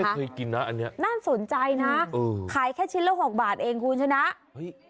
ไม่เคยกินนะอันนี้น่าสนใจนะขายแค่ชิ้นละ๖บาทเองคุณใช่ไหม